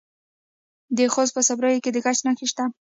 د خوست په صبریو کې د ګچ نښې شته.